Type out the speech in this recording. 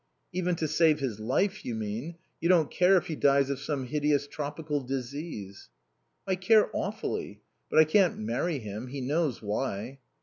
"Even to save his life, you mean. You don't care if he dies of some hideous tropical disease." "I care awfully. But I can't marry him. He knows why."